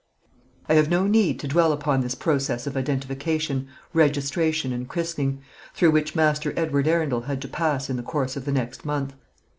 I have no need to dwell upon this process of identification, registration, and christening, through which Master Edward Arundel had to pass in the course of the next month.